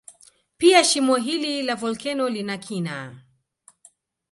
Pia shimo hili la volkeno lina kina